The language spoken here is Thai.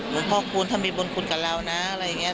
หลวงพ่อคูณถ้ามีบุญคุณกับเรานะอะไรอย่างนี้